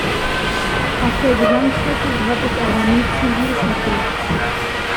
Auf der Gesamtstrecke gab es aber nie Zivilverkehr.